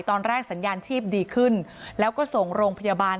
สัญญาณชีพดีขึ้นแล้วก็ส่งโรงพยาบาล